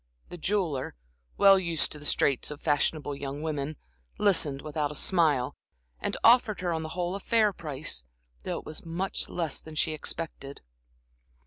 The jeweler, well used to the straits of fashionable young women, listened without a smile, and offered her on the whole a fair price, though it was much less than she expected.